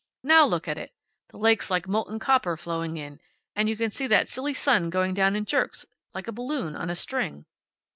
Now look at it. The lake's like molten copper flowing in. And you can see that silly sun going down in jerks, like a balloon on a string."